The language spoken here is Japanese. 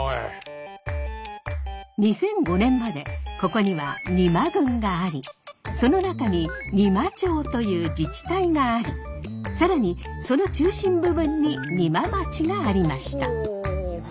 ２００５年までここには邇摩郡がありその中に仁摩町という自治体があり更にその中心部分に仁万町がありました。